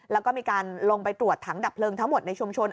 แล้วก็มีการลงไปตรวจถังดับเพลิงทั้งหมดในชุมชน